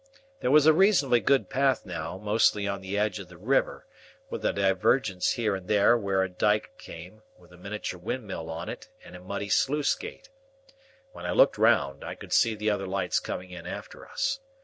There was a reasonably good path now, mostly on the edge of the river, with a divergence here and there where a dike came, with a miniature windmill on it and a muddy sluice gate. When I looked round, I could see the other lights coming in after us.